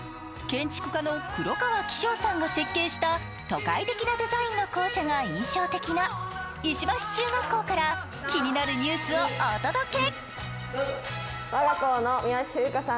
建築家の黒川紀章さんが設計した都会的なデザインの校舎が印象的な石橋中学校から気になるニュースをお届け。